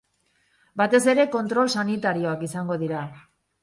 Batez ere kontrol sanitarioak izango dira.